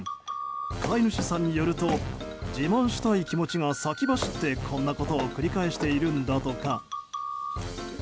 飼い主さんによると自慢したい気持ちが先走ってこんなことを繰り返しているんだとか。